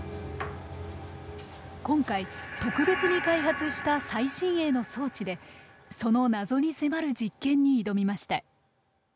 今回特別に開発した最新鋭の装置でその謎に迫る実験に挑みました。